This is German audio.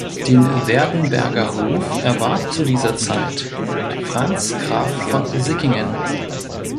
Den Werdenberger Hof erwarb zu dieser Zeit Franz Graf von Sickingen.